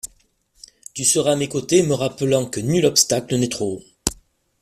Tu seras à mes côtés, me rappelant que nul obstacle n’est trop haut.